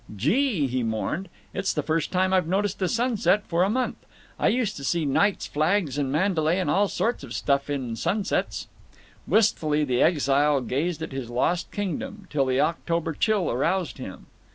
"Gee!" he mourned, "it's the first time I've noticed a sunset for a month! I used to see knights' flags and Mandalay and all sorts of stuff in sunsets!" Wistfully the exile gazed at his lost kingdom, till the October chill aroused him.